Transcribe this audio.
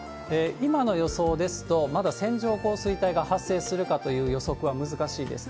今の予想ですと、まだ線状降水帯が発生するかという予測は難しいです。